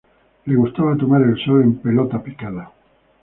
Le gustaba tomar el sol en pelota picada